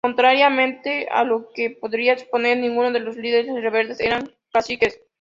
Contrariamente a lo que se podría suponer, ninguno de los líderes rebeldes eran caciques.